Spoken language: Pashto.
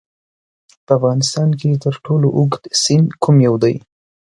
په افغانستان کې تر ټولو اوږد سیند کوم یو دی؟